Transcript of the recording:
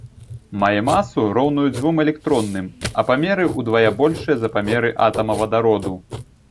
Мае масу, роўную дзвюм электронным, а памеры ўдвая большыя за памеры атама вадароду.